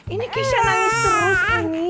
ini keisha nangis terus ini